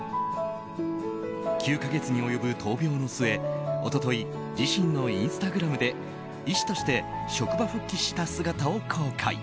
９か月に及ぶ闘病の末一昨日、自身のインスタグラムで医師として職場復帰した姿を公開。